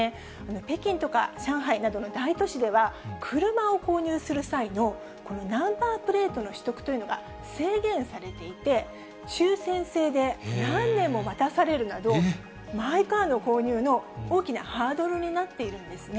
北京とか上海などの大都市では、車を購入する際のこのナンバープレートの取得というのが制限されていて、抽せん制で何年も待たされるなど、マイカーの購入の大きなハードルになっているんですね。